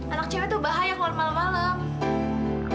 anak cewek tuh bahaya kalau malam malam